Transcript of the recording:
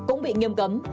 cũng bị nghiêm cấm